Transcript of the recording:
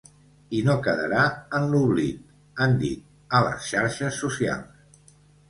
I no quedarà en l’oblit, han dit a les xarxes socials.